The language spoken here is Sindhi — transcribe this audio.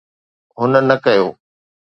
هن نه ڪيو